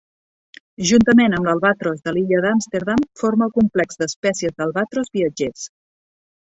Juntament amb l'albatros de l'illa d'Amsterdam forma el complex d'espècies d'albatros viatgers.